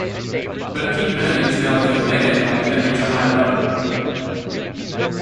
But peak earnings now occur later in life and reach a higher level.